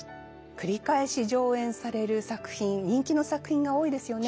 繰り返し上演される作品人気の作品が多いですよね。